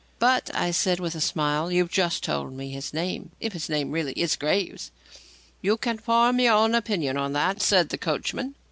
"But," I said, with a smile, "you've just told me his name if his name really is Graves." "You can form your own opinion on that," said the coachman.